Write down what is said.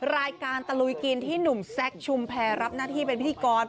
รายการตะลุยกินที่หนุ่มแซคชุมแพรรับหน้าที่เป็นพิธีกร